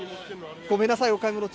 ごめんなさい、お買い物中。